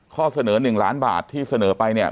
ข้อเสนอ๑ล้านบาทที่เสนอไปเนี่ย